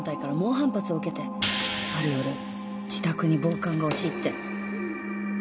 ある夜自宅に暴漢が押し入って。